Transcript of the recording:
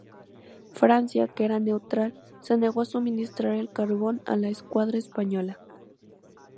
Francia, que era neutral, se negó a suministrar el carbón a la escuadra española.